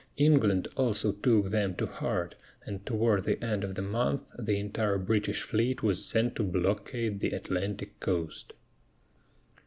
England also took them to heart, and toward the end of the month the entire British fleet was sent to blockade the Atlantic coast.